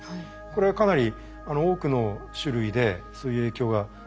これはかなり多くの種類でそういう影響が出始めると。